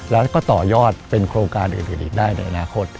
แล้วก็ต่อยอดเป็นโครงการอื่นอีกได้ในอนาคต